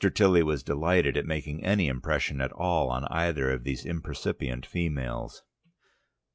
Tilly was delighted at making any impression at all on either of these impercipient females.